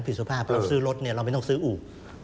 ผิดสุภาพเพราะซื้อรถเราไม่ต้องซื้ออู่